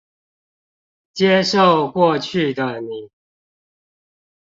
接受過去的你